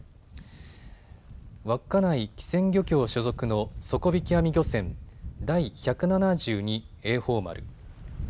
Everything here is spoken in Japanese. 稚内機船漁協所属の底引き網漁船、第百七十二榮寳丸。